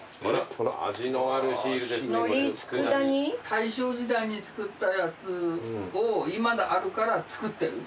大正時代に作ったやつを今もあるから作ってる。